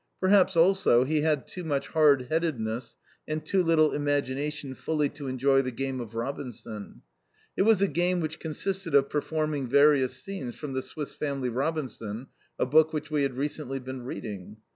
Perhaps, also, he had too much hard headedness and too little imagination fully to enjoy the game of Robinson. It was a game which consisted of performing various scenes from The Swiss Family Robinson, a book which we had recently been reading.